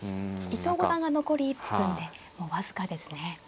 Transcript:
伊藤五段が残り１分でもう僅かですね。